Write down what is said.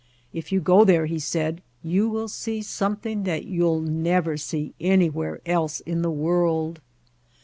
"If you go there," he said, "you will see some thing that you'll never see anywhere else in the world."